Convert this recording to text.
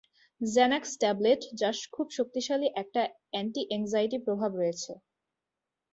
Xanax tablet, যার খুব শক্তিশালী একটা অ্যান্টি-অ্যাংজাইটি প্রভাব রয়েছে।